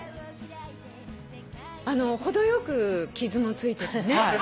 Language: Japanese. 程よく傷もついててね。